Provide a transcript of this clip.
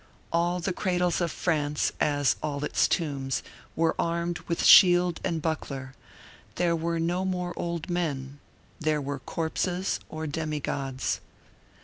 All the cradles of France, as all its tombs, were armed with shield and buckler; there were no more old men, there were corpses or demi gods.